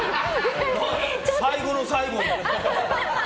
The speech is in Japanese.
最後の最後に！